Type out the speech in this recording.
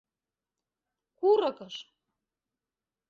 Курыкыш!..